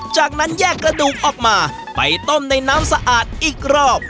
จากนั้นแยกกระดูกออกมาไปต้มในน้ำสะอาดอีกรอบ